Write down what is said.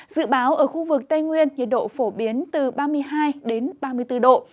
dự báo ở khu vực tây nguyên nhiệt độ phổ biến từ ba mươi hai ba mươi bốn độ